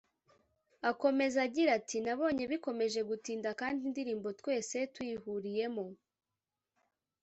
Akomeza agira ati “ Nabonye bikomeje gutinda kandi indirimbo twese tuyihuriyemo